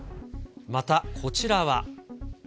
またこちらは。